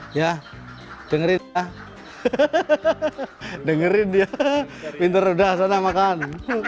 hehehehe dengerin dia pintar udah sana makan